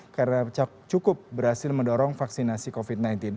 karena cukup berhasil mendorong vaksinasi covid sembilan belas